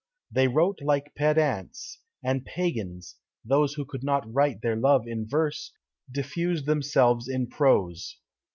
They wrote like pedants, and pagans; those who could not write their love in verse, diffused themselves in prose.